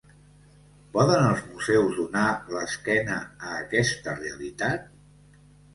Poden els museus donar l'esquena a aquesta realitat?